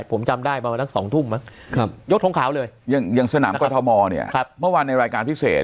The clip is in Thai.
ผมจำได้มาวันทั้ง๒ทุ่มนะยกทงข่าวเลยยังสนามกระทะมอลเนี่ยเมื่อวานในรายการพิเศษ